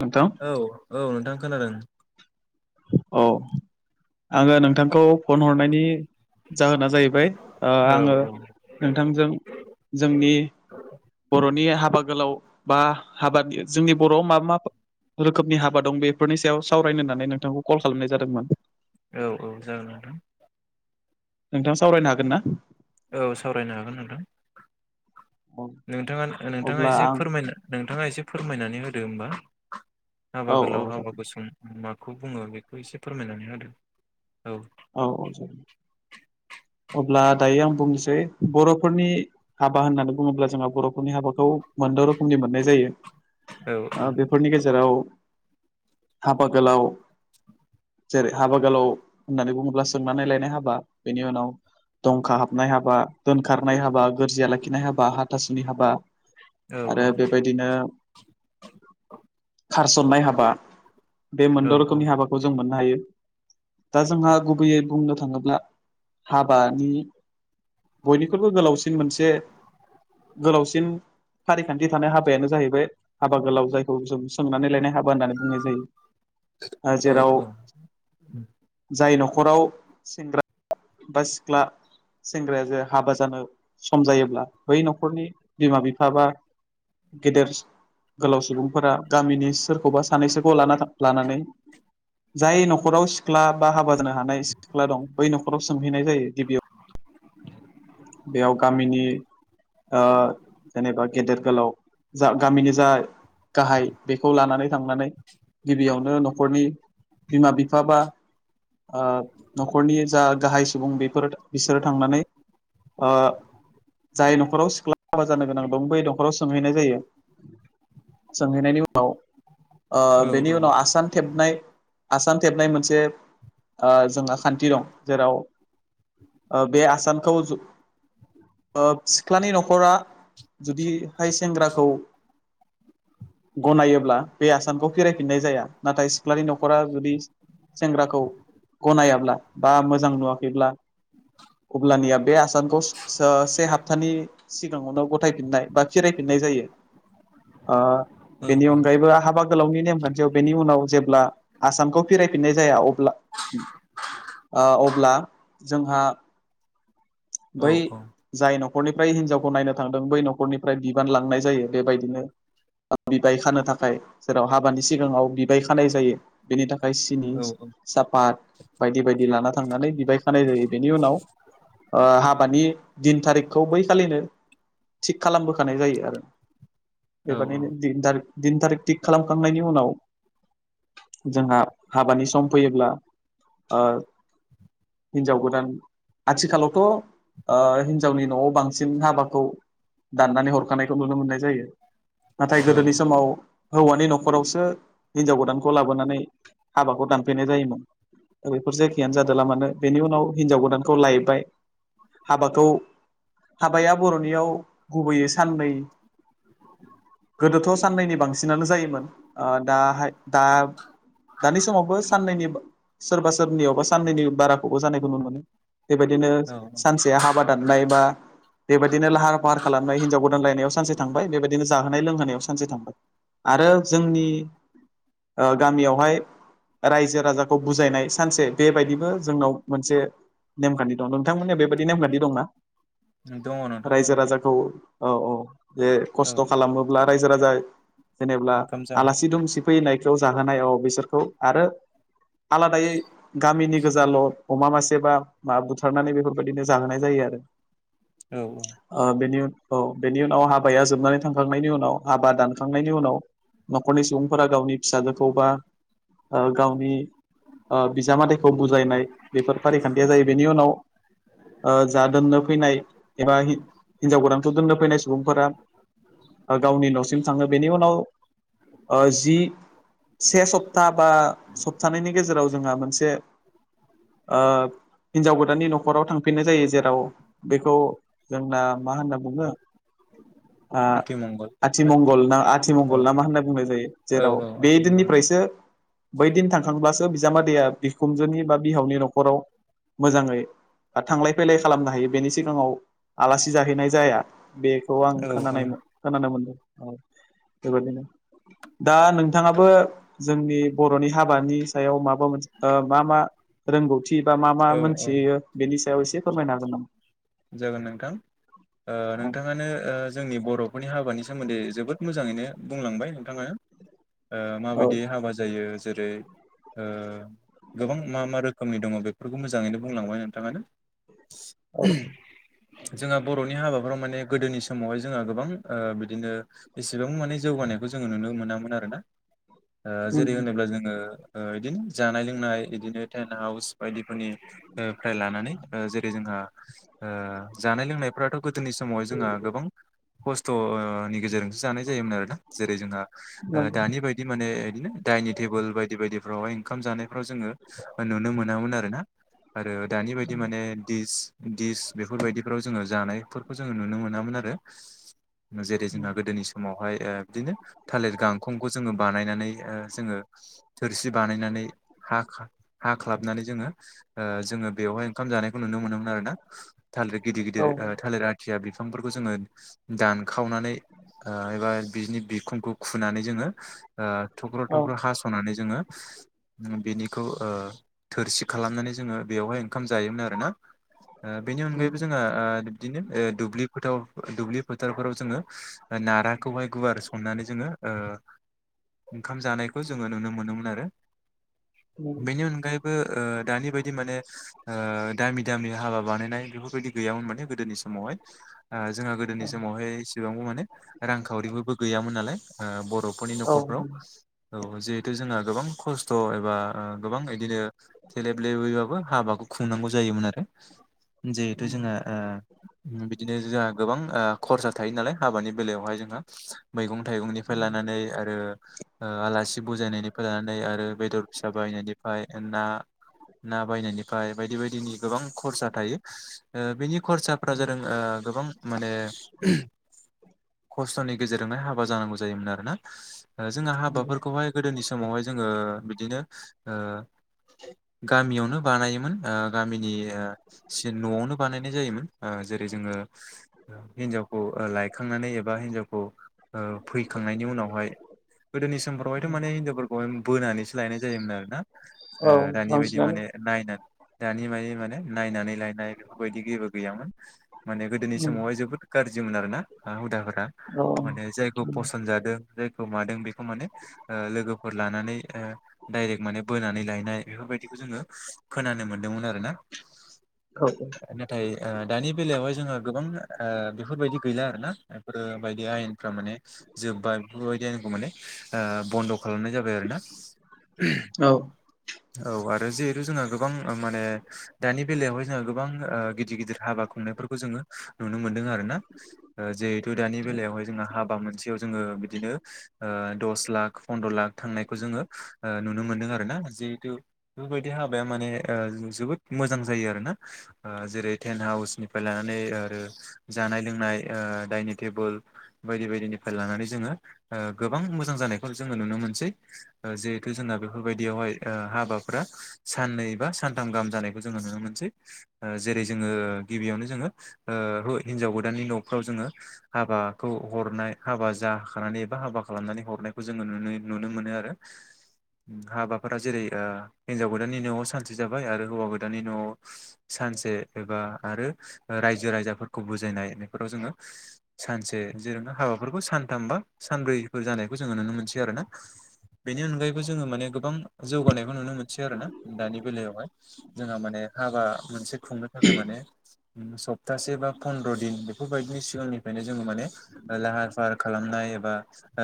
नोंथां औ, औ नोंथां खोनादों। अ आङो नोंथांखौ फन हरनायनि जाहोना जाहैबाय ओ औ आङो औ नोंथांजों जोंनि बर'नि हाबा गोलाव बा हाबानि जोंनि बर'आव माबा मा रोखोमनि हाबा दं बेफोरनि सायाव सावरायनो होन्नानै नोंथांखौ कल खालामनाय जादोंमोन। औ औ जागोन नोंथां। नोंथां सावरायनो हागोनना। औ सावरायनो हागोन नोंथां। नोंथाङा नोंथाङा अब्ला एसे आं फोरमाय नोंथाङा एसे फोरमायनानै होदो होमबा। हाबा औ औ गोलाव हाबा जागोन गुसुं माखौ बुङो बेखौ एसे फोरमायनानै होदो औ। औ औ जागोन अब्ला दायो आं बुंनोसै बर'फोरनि हाबा होननानै बुङोब्ला जोंहा बर'फोरनि हाबाखौ मोनद रोखोमनि मोननाय औ जायो बे फोरनि गेजेराव हाबा गोलाव जेरै हाबा गोलाव होननानै बुङोब्ला सोंनानै लायनाय हाबा बेनि उनाव दंखा हाबनाय हाबा दोनखारनाय हाबा गोरजिया लाखिनाय हाबा हाथासुनि हाबा औ आरो बेबायदिनो खारसननाय हाबा। बे औ मोनद रोखोमनि हाबाखौ जों मोननो हायो। दा जोंहा गुबैयै बुंनो थाङोब्ला हाबानि बयनिख्रुइबो गोलावसिन मोनसे गोलावसिन फारिखान्थि थानाय हाबायानो जाहैबाय हाबा गोलाव जायखौ जों सोंनानै लायनाय हा बा होननानै बुंनाय जायो आरो औ जेराव जाय नखराव सेंग्रा बा सिख्ला सेंग्राया जे हाबा जानो सम जायोब्ला बै न'खरनि बिमा बिफा बा गेदेर गोलाव सुबुंफोरा गामिनि सोरखौबा सानै सोखौ लाना थांफ्लानानै जाय न'खराव सिख्ला बा हाबा जानो हानाय सिख्ला दं बै न'खराव सोंहैनाय जायो गिबियाव बेयाव गामिनि ओ जेनेबा गेदेर गोलाव जा गामिनि जा गाहाय बेखौ लानानै थांनानै गिबियावनो न'खरनि बिमा बिफा बा ओ न'खरनि जा गाहाय सुबुं बेफोर बिसोर थांनानै ओ जाय न'खराव सिख्ला हाबा जानो गोनां दं बै नखराव सोंहैनाय जायो। सोंहैनायनि उनाव ओ औ बेनि उनाव आसान थेबनाय आसान थेबनाय मोनसे जोंहा खान्थि दं जेराव ओ बे आसानखौ ओ सिख्लानि न'खरा जुदिहाय सेंग्राखौ गनायोब्ला बे आसानखौ फिरायफिननाय जाया नाथाय सिख्लानि न'खरा जुदि सेंग्राखौ गनायाब्ला बा मोजां नुवाखैब्ला अब्लानिया बे आसान से हाफथानि सिगाङावनो गथायफिननाय बा फिरायफिननाय जायो। ओ औ बेनि औ अनगायैबो हाबा गोलावनि नेमखान्थियाव बेनि उनाव जेब्ला आसानखौ फिरायफिननाय जाया अब्ला ओ अब्ला जोंहा औ बै जाय न'खरनिफ्राय हिनजावखौ नायनो थांदों बै न'खरनिफ्राय बिबान लांनाय जायो बेबायदिनो बिबाय खानो थाखाय जेराव हाबानि सिगाङाव बिबाय खानाय जायो। बेनि थाखाय सिनि औ साफात बायदि बायदि लाना थांनानै बिबाय खानाय जायो बेनि उनाव ओ हाबानि दिन थारिखखौ बैखालिनो थिग खालामबोखानाय जायो आरो। औ बेबादिनो दिन थारिख दिन थारिख थिग खालामखांनायनि उनाव जोंहा हाबानि सम फैयोब्ला ओ हिनजाव गोदान आथिखालाव थ हिनजावनि न'आव बांसिन हाबाखौ दाननानै हरखानायखौ नुनो मोननाय जायो। नाथाय औ गोदोनि समाव हौवानि न'खरावसो हिनजाव गोदानखौ लाबोनानै हाबाखौ दानफैनाय जायोमोन। बेफोर जेखियानो जादोला मानो बेनि उनाव हिनजाव गोदानखौ लायबाय। हाबाखौ हाबाया बर'नियाव गुबैयै साननै गोदोथ' साननैनि बांसिनानो जायोमोन ओ दाहाय दा दानि समावबो साननैनि सोरबा सोरनियाव बा साननैनि बाराखौबो जानायखौ नुनो मोनो। बेबायदिनो औ सानसेया हाबा दाननाय बा बेबायदिनो लाहार फाहार खालामनाय हिनजाव गोदानलायनायाव सानसे थांबाय बेबायदिनो जाहोनाय लोंहोनायाव सानसे थांबाय। आरो जोंनि ओ गामियावहाय रायजो राजाखौ बुजायनाय सानसे बेबायदिबो जोंनाव मोनसे नेमखान्थि दं। बिथां मोनियाबो बेबायदि नेम बादि दंना दङ नोंथां दङ रायजो राजाखौ औ औ जे औ खस्थ' खालामोब्ला रायजो राजा जेनेब्ला ओंखाम जाहोन आलासि दुमसि फैनायखौ जाहोनायाव बिसोरखौ आरो आलादायै गामिनि गोजाल' अमा मासे बा माबा बुथु खारनानै बेफोरबायदिनो जाहोनाय जायो आरो। औ। ओ बेनि औ बेनि उनाव हाबाया जोबनानै थांखांनायनि उनाव हाबा दानखांनायनि उनाव न'खरनि सुबुंफोरा गावनि फिसाजोखौ बा ओ गावनि ओ बिजामादैखौ बुजायनाय बेफोर फारिखान्थिया जायो बेनि उनाव ओ जा दोननो फैनाय एबा हि हिनजाव गोदानखौ दोननो फैनाय सुबुंफोरा ओ गावनि न'सिम थाङो बेनि उनाव ओ जि से सप्ता बा सप्तानैनि गेजेराव जोंहा मोनसे ओ हिनजाव गोदाननि न नखराव थांफिनो जायो जेराव बेखौ जोंना मा होनना बुङो। ओ आथि मंगल ना आ औ आथिमंगल ना मा होनना बुंनाय जायो औ जेराव औ बे आथिमंगल दिननिफ्रायसो। बै दिन थांखांब्लासो बिजामादैया बिखुनजोनि बा बिहावनि न'खराव मोजाङै हा थांलाय फैलाय खालामनो हायो बेनि सिगाङाव आलासि जाहैनाय जाया बे खौ आं औ औ खोनानाय खोनानो मोनदों बेबायदिनो दा नोंथाङाबो जोंनि बर'नि हाबानि सायाव माबा मोनसे ओ मा मा रोंगौथि बिबा मा मा औ औ मोनथियो बेनि सायाव एसे फोरमायनो हागोन नामा? जागोन नोंथां। ओ औ नोंथाङानो ओ जोंनि बर'फोरनि हाबानि सोमोन्दै जोबोद मोजाङैनो बुंलांबाय नोंथांङा। [inaudible] ओ औ माबायदि हाबा जायो जेरै ओ गोबां मा मा रोखोमनि दङ बेफोरखौ मोजाङैनो बुंलांबाय नोंथाङानो औ [unintelligible] जोंहा बर'नि हाबाफोराव माने गोदोनि समावहाय जोंहा गोबां ओ बिदिनो एसेबां माने जौगानायखौ जोङो नुनो मोनामोन आरो ना ओ उम जेरै होनोब्ला जोङो ओ [unintelligible] जानाय लोंनाय बिदिनो टेन हाउस बायदिफोरनि [unintelligible] लानानै ओ जेरै जोंहा ओ जानाय लोंनायफ्राथ' गोदोनि समावहाय जोंहा गोबां खस्थ'ओ नि गेजेरजों जानाय जायोमोन आरोना जेरै जोंहा ओ नंगौ दानि बाय इ माने बिदिनो दाइनिं टेबोल बायदि बायदिफ्रावहाय ओंखाम जानायफ्राव जोङो नुनो मोनामोन आरो ना। आरो दानि बायदि माने दिस दिस बेफोरबायदिफ्राव जोङो जानायफोरखौ जोङो नुनो मोनामोन आरो जेरै जोंहा गोदोनि समावहाय ओ बिदिनो थालिर गांखंखौ जोङो बानायनानै ओ जोङो थोरसि बानायनानै हाखा हाख्लाबनानै जोङो ओ जोङो बेवहाय खाम जानायखौ नुनो मोनोमोन आरो ना थालिर गिदिर औ गिदिर ओ थालिर आथिया बिफांफोरखौ जोङो दानखावनानै आ एबा बिनि बिखुंखौ खुनानै जोङो ओ थख्र' औ थख्र' हास'नानै जोङो बेनिखौ ओ थोरसि खालामनानै जोङो बेवहाय ओंखाम जायोमोन आरोना। ओ बिनि अनगायैबो नंगौ जोङो ओ बिबदिनो ओ दुब्लि फोथार दुब्लि फोथारफोराव जोङो नाराखौहाय गुवार सन्नानै जोङो ओ ओंखाम जानायखौ जोङो नुनो मोनोमोन आरो। नंगौ बेनि अनगायैबो ओ दानि बायदि माने ओ दामि दामि हाबा बानायनाय बेफोरबायदि गैयामोन माने गोदोनि समावहाय ओ जोंहा गोदोनि समावहाय एसेबांबो माने रांखावरिबोबो गैयामोन नालाय ओ बर'फोरनि औ न'खरफ्राव। औ जिहेथु जोंहा गोबां खस्थ' एबा ओ गोबां इदिनो थेलेब लेबैबाबो हाबाखौ खुंनांगौ जायोमोन आरो जिहेथु जोंहा ओ बिदिनो जोहा गोबां ओ खरसा थायो नालाय हाबानि बेलायावहाय जोंहा। मैगं थाइगंनिफ्राय लानानै आरो आ आलासि बुजायनायनिफ्राय लानानै आरो बेदर फिसा बायनायनिफाय ना ना बायनायनिफ्राय बायदि बायदिनि गोबां खरसा थायो ओ बिनि खरसाफ्रा जादों आ गोबां माने खस्थ'नि गेजेरजोंनो हाबा जानांगौ जायोमोन आरोना। ओ जोंहा नंगौ हाबाफोरखौहाय गोदोनि समावहाय जोङो बिदिनो ओ गामियावनो बानायोमोन आ गामिनि ओ सिन न'आवनो बानायनाय जायोमोन ओ जेरै जोङो हिनजावखौ लायखांनानै एबा हिनजावखौ ओ फैखांनायनि उनावहाय गोदोनि समफोरावहायथ' माने हिनजावफोरखौहाय बोनानैसो लायनाय जायोमोन आरो ना औ आ दानि बायदि बांसिनानो माने नायनानै दानि मायदि माने नायनानै लायनाय बेफोरबायदि जेबो गैयामोन माने गोदोनि उम समावहाय जोबोद गारजिमोन आरोना आ हुदाफोरा औ माने जायखौ उम फसन जादों जायखौ मादों बे माने ओ लोगोफोर लानानै ओ डाइरेक्ट माने बोनानै लायनाय बेफोरबायदिखौ जोङो खोनानो मोनदोंमोन आरो ना। [unintelligible] नाथाय ओ दानि बेलायावहाय जोंहा गोबां आ बेफोरबायदि गैला आरोना बेफोरबायदि आयेनफ्रा माने जोब्बाय बेफोरबायदि आयेनखौ माने आ बन्द' खालामनाय जाबाय आरो ना। औ औ आरो जिहेतु जोंहा गोबां ओ माने दानि बेलायावहाय जोङा गोबां गिदिर गिदिर हाबा खुंनायफोरखौ जोङो नुनो मोनदों आरो ना। ओ जिहेथु दानि बेलायावहाय जोंहा हाबा मोनसेयाव जोङो बिदिनो ओ दस लाख पन्द्र' लाख थांनायखौ जोङो ओ नुनो मोनदों आरो ना जिहेतु। बेफोरबायदि हाबाया माने ओ जोबोद मोजां जायो आरो ना। ओ जेरै टेेन हाउसनिफ्राय लानानै ओ आरो जानाय लोंनाय ओ डाइनिं टेबुल बायदि बायदिनिफाय लानानै जोङो ओ गोबां मोजां जानायखौ जोङो नुनो मोनसै। ओ जिहेथु जोंना बेफोरबायदियावहाय ओ हाबाफोरा साननै बा सानथाम गाहाम जानाय जोङो नुनो मोनसै। ओ जेरै जोङो गिबियावनो जोङो ओ हो हिनजाव गोदाननि न'फ्राव जोङो हाबाखौ हरनाय हाबा जाखानानै एबा हाबा खालामनानै हरनायखौ जोङो नुनो नुनो मोनो आरो हाबाफोरा जेरै ओ हिनजाव गोदाननि न'आव सानसे जाबाय आरो हौवा गोदाननि न'आव सानसे एबा आरो ओ रायजो राजाफोरखौ बुजायनाय बेफोराव जोङो सानसे जेरावनो हाबाफोरखौ सानथाम बा सानब्रैफोर जानायखौ जोङो नुनो मोनसै आरो ना। बेनि अनगायैबो जोङो माने गोबां जौगानायखौ नुनो मोनसै आरो ना दानि बेलायावहाय। जोंहा माने हाबा मोनसे खुंनो थाखाय माने सप्तासे बा पनन्द्र' दिन बेफोरबायदिनि सिगांनिफ्रायनो जोङो माने ओ लाहार फाहार खालामनाय एबा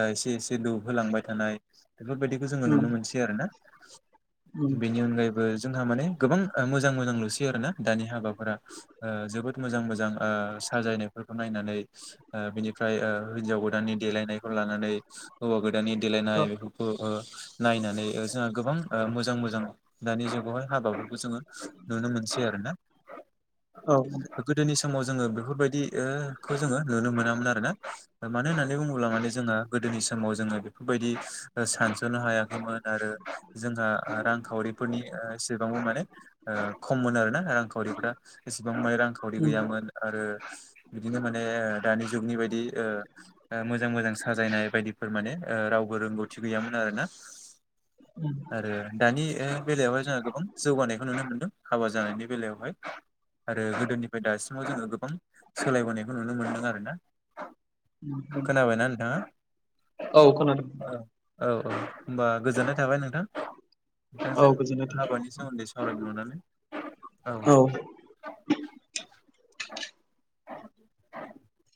एसे एसे दौहोलांबाय थानाय बेफोरबायदि जोङो उम नुनो मोनसै आरो ना उम बेनि अनगायैबो जोंहा माने गोबां ओ मोजां मोजां नुसै आरो ना दानि हाबाफोरा। ओ जोबोद मोजां मोजां साजायनायफोरखौ नायनानै ओ बिनिफ्राय ओ हिन्जाव गोदाननि देलायनायखौ लानानै हौवा गोदानानि देलायनाय औ बेफोरखौ ओ नायनानै ओ जोंहा गोबां मोजां मोजां दानि जुगावहाय हाबाफोरखौ जोङो नुनो मोनसै आरो ना। औ गोदोनि समाव जोङो बेफोरबायदि ओ खौ जोंङो नुनो मोनामोन आरोना। मानो होननानै बुङोब्ला माने जोङो गोदोनि समाव जोङो बेफोरबायदि सानस'नो हायाखैमोन आरो जोंहा रांखावरिफोरनि ओ एसेबांबो माने ओ खममोन आरोना रांखावरिफ्रा एसेबांबो रांखावरि उम गैयामोन आरो बिदिनो माने दानि जुगनि बायदि ओ ओ मोजां मोजां साजायनाय बायदिफोर माने ओ रावबो रोंगौथि गैयामोन आरो ना। उम आरो दानि ओ बेलायावहाय जोंहा गोबां जौगानाय खौ नुनो मोनदों हाबा जानायनि बेलायावहाय। आरो गोदोनिफ्राय दासिमाव जोङो गोबां सोलायबोनायखौ नुनो मोनदों आरोना। [inaudible] ना नोंथाङा औ खोनादों। औ औ औ होमबा गोजोननाय थाबाय नोंथां औ नोंथांजों गोजोननाय थाबाय हाबानि सोमोन्दै सा सावरायनो मोननानै औ औ